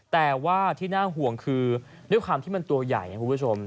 แต่ว่าที่น่าห่วงคือด้วยความที่มันตัวใหญ่คุณผู้ชม